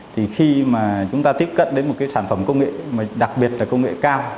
thì khi mà chúng ta tiếp cận đến một cái sản phẩm công nghệ mà đặc biệt là công nghệ cao